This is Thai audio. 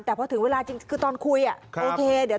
แต่พอถึงเวลาจริงคือตอนคุยอ่ะโอเคเดี๋ยวทำหนึ่งนู้นทำอย่างนี้